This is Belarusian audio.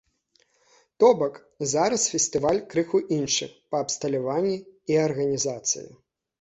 То бок, зараз фестываль крыху іншы па абсталяванні і арганізацыі.